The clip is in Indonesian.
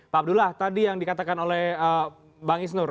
pak abdullah tadi yang dikatakan oleh bang isnur